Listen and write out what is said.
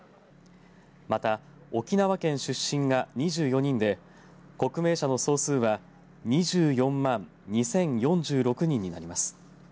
また、沖縄県出身が２４人で刻銘者の総数は２４万２０４６人になります。